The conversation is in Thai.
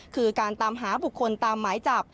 คือการตามหาบุคคลตามหมายจับ